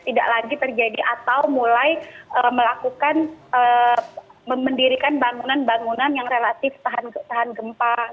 tidak lagi terjadi atau mulai melakukan memendirikan bangunan bangunan yang relatif tahan gempa